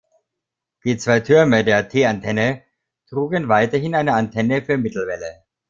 Die zwei Türme der T-Antenne trugen weiterhin eine Antenne für Mittelwelle.